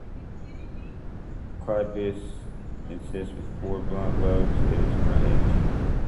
Clypeus consists with four blunt lobes at its front edge.